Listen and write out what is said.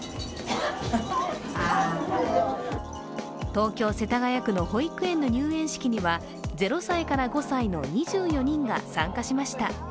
東京・世田谷区の保育園の入園式には０歳から５歳の２４人が参加しました。